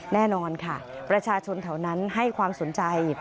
แน่นอนค่ะประชาชนแถวนั้นให้ความสนใจ